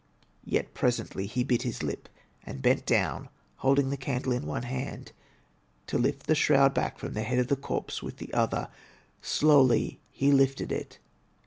Yet presently he bit his lip and bent down, holding the candle in one hand, to lift the shroud back from the head of the corpse with the other. Slowly he lifted it.